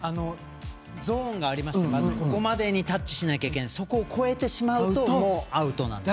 ゾーンがありましてここまでにタッチしないといけないそこを越えてしまうとアウトなんです。